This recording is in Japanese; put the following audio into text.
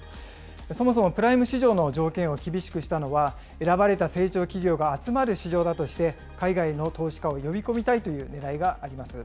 そもそもプライム市場の条件を厳しくしたのは、選ばれた成長企業が集まる市場だとして、海外の投資家を呼び込みたいというねらいがあります。